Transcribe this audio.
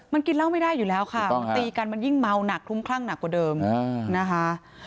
มันกินเหล้าไม่ได้อยู่แล้วค่ะตีกันมันยิ่งเมาหนักคลุ้มคลั่งหนักกว่าเดิมนะคะ